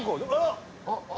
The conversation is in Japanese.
あっ！